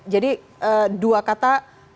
jadi dua kata